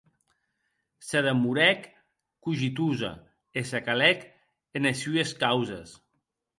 Se demorèc cogitosa, e se calec enes sues causes.